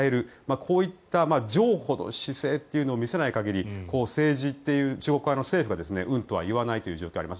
こういった譲歩の姿勢というのを見せない限り政治という政府がうんとは言わないという状況があります。